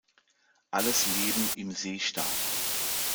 Alles Leben im See starb.